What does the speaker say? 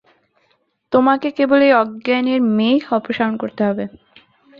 তোমাকে কেবল এই অজ্ঞানের মেঘ অপসারণ করতে হবে।